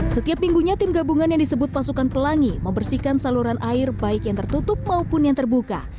setiap minggunya tim gabungan yang disebut pasukan pelangi membersihkan saluran air baik yang tertutup maupun yang terbuka